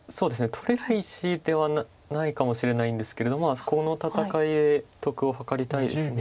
取れない石ではないかもしれないんですけれどこの戦いで得を図りたいです。